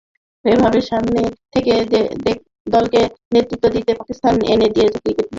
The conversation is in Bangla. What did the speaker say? এভাবে সামনে থেকে দলকে নেতৃত্ব দিয়ে পাকিস্তানকে এনে দিয়েছিলেন ক্রিকেট বিশ্বকাপ।